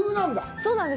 そうなんです。